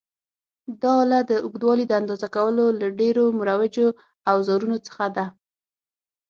دا آله د اوږدوالي د اندازه کولو له ډېرو مروجو اوزارونو څخه ده.